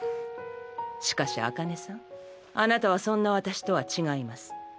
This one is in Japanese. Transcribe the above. しかし紅葉さんあなたはそんな私とは違います。